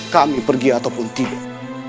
kami pergi ataupun tidak